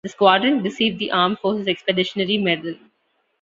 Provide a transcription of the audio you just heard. The squadron received the Armed Forces Expeditionary Medal.